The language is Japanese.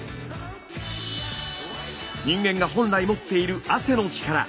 人間が本来持っている汗の力。